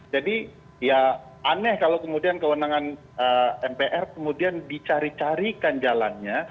jadi ya aneh kalau kemudian kewenangan mpr kemudian dicari carikan jalan